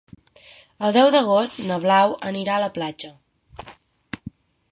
El deu d'agost na Blau anirà a la platja.